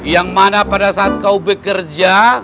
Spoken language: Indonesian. yang mana pada saat kau bekerja